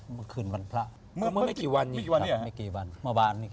เมื่อวานนี้ครับ